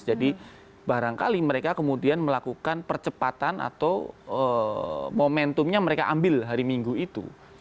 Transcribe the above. barangkali mereka kemudian melakukan percepatan atau momentumnya mereka ambil hari minggu itu